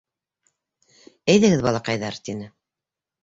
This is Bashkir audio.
— Әйҙәгеҙ балаҡайҙар, —тине.